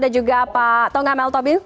dan juga pak tonggam l tobin